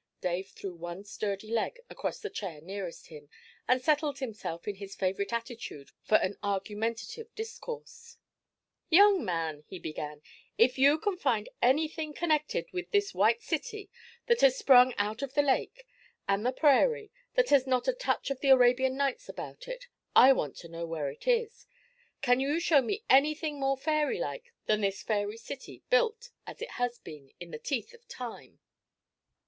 Dave threw one sturdy leg across the chair nearest him, and settled himself in his favourite attitude for an argumentative discourse. 'Young man,' he began, 'if you can find anything connected with this White City that has sprung out of the lake and the prairie that has not a touch of the Arabian Nights about it, I want to know where it is. Can you show me anything more fairylike than this fairy city, built, as it has been, in the teeth of time?'